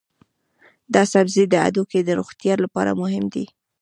دا سبزی د هډوکو د روغتیا لپاره مهم دی.